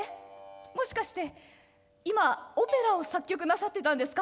もしかして今オペラを作曲なさってたんですか？」。